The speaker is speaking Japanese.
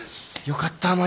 よかった。